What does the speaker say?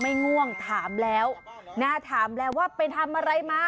ง่วงถามแล้วนะถามแล้วว่าไปทำอะไรมา